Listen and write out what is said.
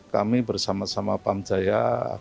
kami bersama sama pamjaya